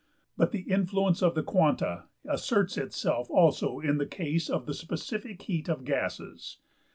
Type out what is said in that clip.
But the influence of the quanta asserts itself also in the case of the specific heat of gases.